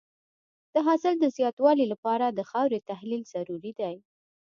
د حاصل د زیاتوالي لپاره د خاورې تحلیل ضروري دی.